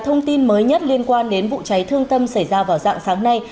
thông tin mới nhất liên quan đến vụ cháy thương tâm xảy ra vào dạng sáng nay